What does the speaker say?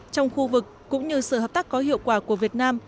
trong khu vực cũng như sự hợp tác có hiệu quả của việt nam